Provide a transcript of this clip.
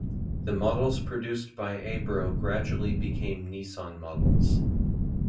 The models produced by Ebro gradually became Nissan models.